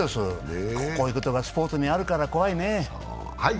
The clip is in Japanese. こういうことがスポーツにあるから怖いね。